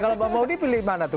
kalau mau nih pilih mana tuh